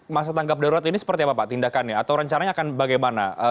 masa tanggap darurat ini seperti apa pak tindakannya atau rencananya akan bagaimana